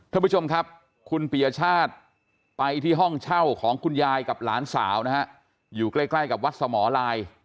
ท่านผู้ชมครับคุณปียชาติไปที่ห้องเช่าของคุณยายกับหลานสาวนะฮะอยู่ใกล้ใกล้กับวัดสมลาย